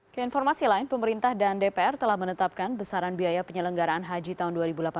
keinformasi lain pemerintah dan dpr telah menetapkan besaran biaya penyelenggaraan haji tahun dua ribu delapan belas